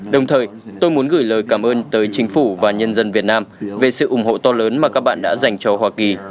đồng thời tôi muốn gửi lời cảm ơn tới chính phủ và nhân dân việt nam về sự ủng hộ to lớn mà các bạn đã dành cho hoa kỳ